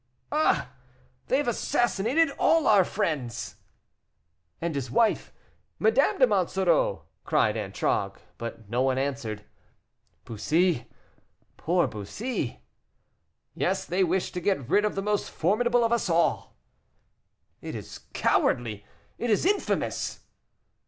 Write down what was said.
"Ah! they have assassinated all our friends." "And his wife? Madame de Monsoreau!" cried Antragues; but no one answered. "Bussy, poor Bussy." "Yes, they wished to get rid of the most formidable of us all." "It is cowardly! it is infamous!"